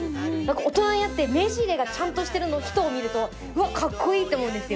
大人になって名刺入れがちゃんとしてる人を見るとうわカッコイイって思うんですよ。